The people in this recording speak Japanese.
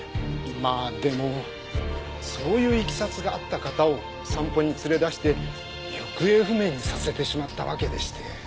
まあでもそういう経緯があった方を散歩に連れ出して行方不明にさせてしまったわけでして。